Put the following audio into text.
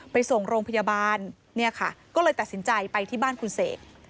ไปส่งโรงพยาบาลเนี่ยค่ะก็เลยตัดสินใจไปที่บ้านคุณเสก